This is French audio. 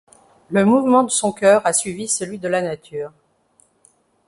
Le mouvement de son cœur a suivi celui de la nature…